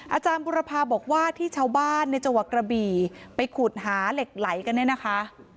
อาจารย์บุรพาบอกว่าที่ชาวบ้านในจังหวัดกระบี่ไปขุดหาเหล็กไหลกันเนี่ยนะคะ